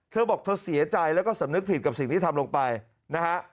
เธอบอกเธอเสียใจแล้วก็สำนึกผิดกับสิ่งที่ทำลงไปนะฮะ